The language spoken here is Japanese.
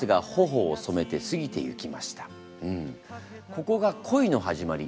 ここが恋の始まり